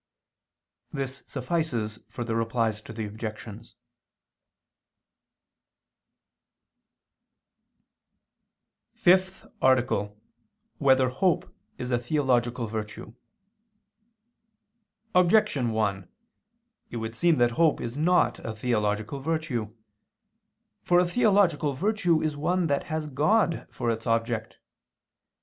This suffices for the Replies to the Objections. _______________________ FIFTH ARTICLE [II II, Q. 17, Art. 5] Whether Hope Is a Theological Virtue? Objection 1: It would seem that hope is not a theological virtue. For a theological virtue is one that has God for its object.